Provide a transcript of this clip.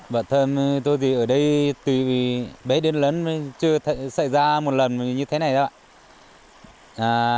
bản thân tôi thì ở đây từ bé đến lớn mới chưa xảy ra một lần như thế này đó ạ